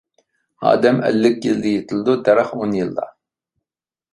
ئادەم ئەللىك يىلدا يېتىلىدۇ، دەرەخ ئون يىلدا.